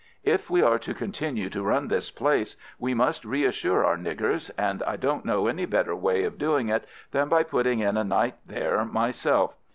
If we are to continue to run this place we must reassure our niggers, and I don't know any better way of doing it than by putting in a night there myself.